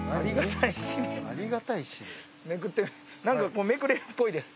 なんかめくれるっぽいです。